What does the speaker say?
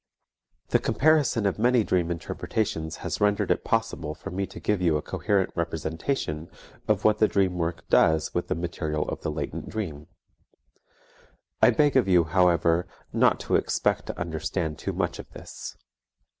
The comparison of many dream interpretations has rendered it possible for me to give you a coherent representation of what the dream work does with the material of the latent dream. I beg of you, however, not to expect to understand too much of this.